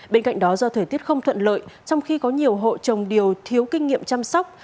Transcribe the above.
bên cạnh đó do thời tiết không thuận lợi trong khi có nhiều hộ trồng điều thiếu kinh nghiệm chăm sóc